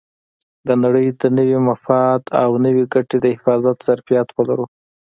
د نړۍ د نوي مفاد او نوې ګټې د حفاظت ظرفیت ولرو.